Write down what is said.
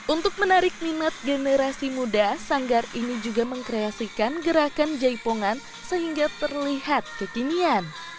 untuk menarik minat generasi muda sanggar ini juga mengkreasikan gerakan jaipongan sehingga terlihat kekinian